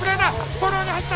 フォローに入った。